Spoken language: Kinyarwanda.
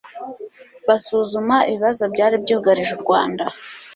basuzuma ibibazo byari byugarije u Rwanda,